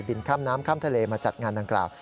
ข้ามน้ำข้ามทะเลมาจัดงานดังกล่าว